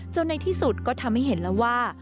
ในที่สุดก็ทำให้เห็นแล้วว่า